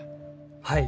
はい。